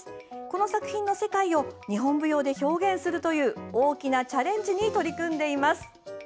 この作品の世界を日本舞踊で表現するという大きなチャレンジに取り組んでいます。